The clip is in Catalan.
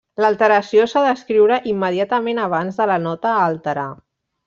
L'alteració s'ha d'escriure immediatament abans de la nota a alterar.